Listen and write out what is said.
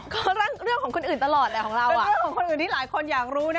ก็รักเรื่องของคนอื่นตลอดแหละของเราเป็นเรื่องของคนอื่นที่หลายคนอยากรู้นะ